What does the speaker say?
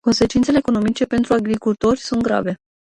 Consecințele economice pentru agricultori sunt grave.